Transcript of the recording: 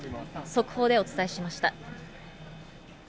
速報でお伝えしました。